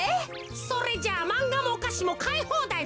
それじゃあまんがもおかしもかいほうだいだな。